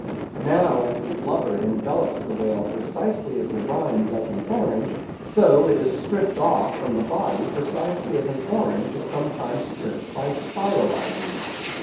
Now as the blubber envelopes the whale precisely as the rind does an orange, so is it stripped off from the body precisely as an orange is sometimes stripped by spiralizing it.